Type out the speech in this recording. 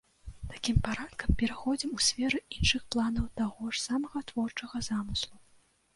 Такім парадкам пераходзім у сферы іншых планаў таго ж самага творчага замыслу.